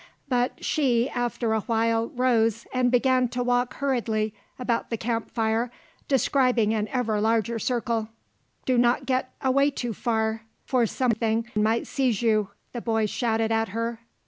But she after a while rose and began to walk hurriedly about the camp fire describing an ever larger circle. "Do not get away too far, for something might seize you," the boy shouted at her.